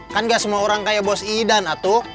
kan nggak semua orang kayak bos idan atu